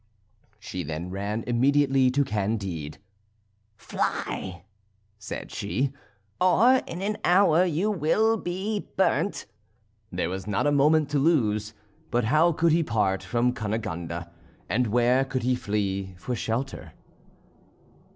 She then ran immediately to Candide. "Fly," said she, "or in an hour you will be burnt." There was not a moment to lose; but how could he part from Cunegonde, and where could he flee for shelter?